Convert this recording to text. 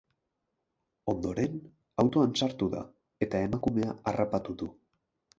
Ondoren, autoan sartu da, eta emakumea harrapatu du.